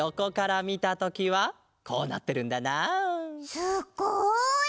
すっごい！